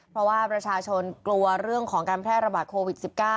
เพราะว่าประชาชนกลัวเรื่องของการแพร่ระบาดโควิด๑๙